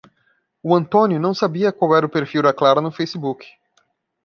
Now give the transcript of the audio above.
O Antônio não sabia qual era o perfil da Clara no Facebook